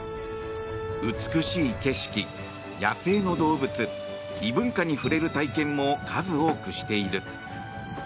美しい景色、野生の動物異文化に触れる体験も数多くしている。